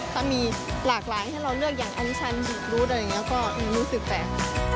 ถ้ามีหลากหลายให้เราเลือกอย่างอนิชันบีบรูดอะไรอย่างนี้ก็รู้สึกแปลก